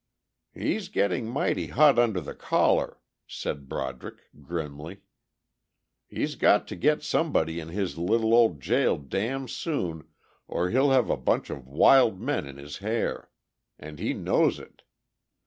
"He's getting mighty hot under the collar," said Broderick grimly. "He's got to get somebody in his little old jail damn' soon, or he'll have a bunch of wild men in his hair. And he knows it.